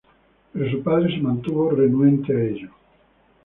Pero su padre se mantuvo renuente a ello.